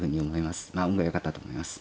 まあ運がよかったと思います。